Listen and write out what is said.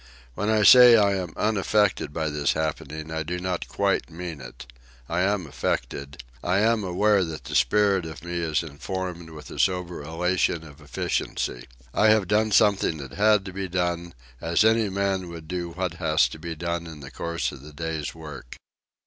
When I say I am unaffected by this happening I do not quite mean it. I am affected. I am aware that the spirit of me is informed with a sober elation of efficiency. I have done something that had to be done, as any man will do what has to be done in the course of the day's work.